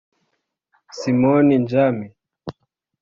Simon Njami